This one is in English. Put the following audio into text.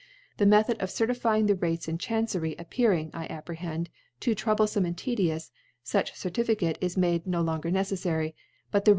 The Method of certifying the Rates in Chancery appearing, I apprehend,, too troublefome and tedious, * fuch Certificate * is made no longer neceflary, but the Ratel^ «* Preamble to i Jac.